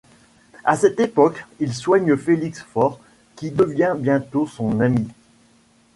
À cette époque, il soigne Félix Faure, qui devient bientôt son ami.